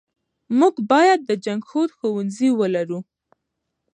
موږ بايد د جنګښود ښوونځی ولرو .